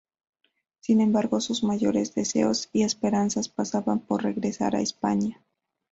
Sin embargo, sus mayores deseos y esperanzas pasaban por regresar a España.